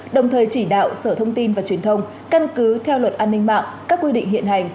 đồng thời chỉ đạo sở thông tin và truyền thông căn cứ theo luật an ninh mạng các quy định hiện hành